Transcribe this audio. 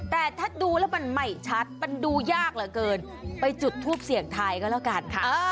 แต่ถ้าดูแล้วมันไม่ชัดมันดูยากเหลือเกินไปจุดทูปเสี่ยงทายก็แล้วกันค่ะ